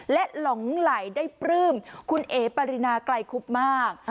และหลงไหลได้ปลื้มคุณเอ๋ปารินาไกลคุบมาก